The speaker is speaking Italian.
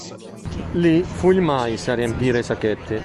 Lì fu il mais a riempire i sacchetti.